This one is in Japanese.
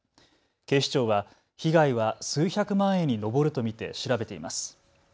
警視庁は被害は数百万円に上ると見て調べています。